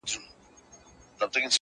خر پر درې گامه ځيني خطا کېږي.